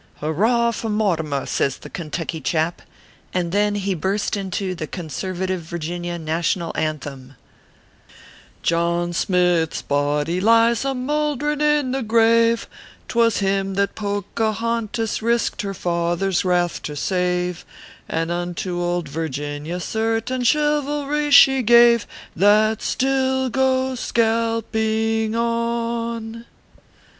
" Hurroar for Mortimer !" says the Kentucky chap ; and then he burst into the Conservative Vir ginia National Anthem :" John Smith s body lies a mouldering in the grave, Twas him that Pocahontas risked her father s wrath to save ; And unto old Virginia certain Chivalry she gave, That still go scalping on